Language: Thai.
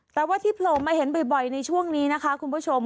แต่ว่าที่โผล่มาเห็นบ่อยในช่วงนี้นะคะคุณผู้ชม